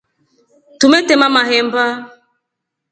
Tunetema mahemba.